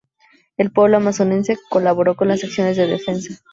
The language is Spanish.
El pueblo amazonense colaboró con las acciones de defensa.